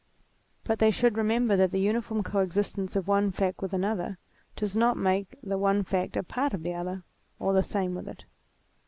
But they should remember that the uniform co existence of one fact with another does not make the one fact a part of the other, or the same with it.